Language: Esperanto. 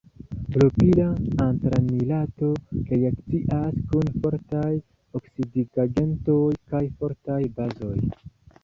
Propila antranilato reakcias kun fortaj oksidigagentoj kaj fortaj bazoj.